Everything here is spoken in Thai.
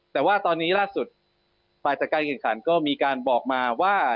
แต่ว่าตอนนี้ล่าสุดฝ่ายจัดการแข่งขันก็มีการบอกมาว่า